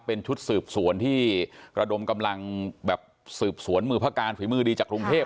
เป็นชุดสืบสวนที่ระดมกำลังแบบสืบสวนมือพระการฝีมือดีจากกรุงเทพ